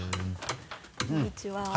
こんにちは。